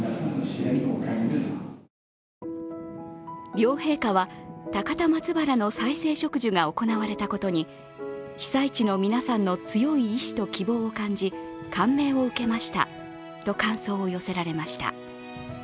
両陛下は、高田松原の再生植樹が行われたことに、被災地の皆さんの強い意思と希望を感じ感銘を受けましたと感想を寄せられました。